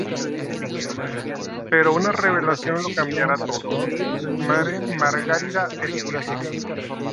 Pero una revelación lo cambiará todo: Margarida es virgen.